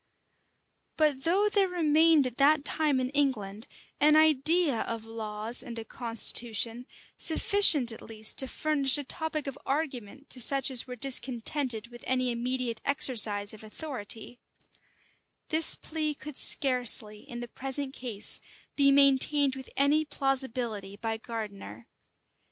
[] But though there remained at that time in England an idea of laws and a constitution, sufficient at least to furnish a topic of argument to such as were discontented with any immediate exercise of authority; this plea could scarcely, in the present case, be maintained with any plausibility by Gardiner.